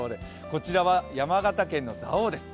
こちらは山形県の蔵王です。